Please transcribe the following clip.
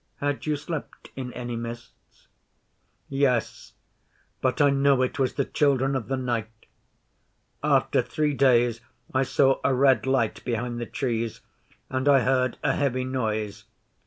'Had you slept in any mists?' 'Yes but I know it was the Children of the Night. After three days I saw a red light behind the Trees, and I heard a heavy noise.